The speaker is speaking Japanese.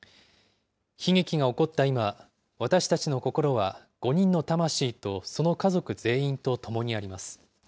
悲劇が起こった今、私たちの心は５人の魂とその家族全員とともにあります。